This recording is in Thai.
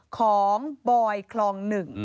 ของบอยคลองหนึ่ง